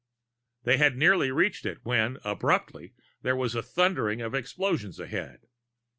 They had nearly reached it when, abruptly, there was a thundering of explosions ahead.